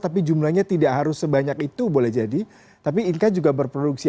tapi jumlahnya tidak harus sebanyak itu boleh jadi tapi inka juga berproduksi